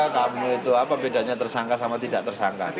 kamu itu apa bedanya tersangka sama tidak tersangka